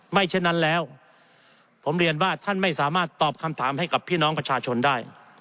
เช่นนั้นแล้วผมเรียนว่าท่านไม่สามารถตอบคำถามให้กับพี่น้องประชาชนได้